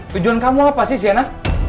tujuan kamu apa sih zena